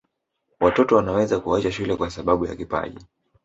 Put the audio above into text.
watoto wanaweza kuacha shule kwa sababu ya kipaji